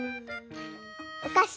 おかし？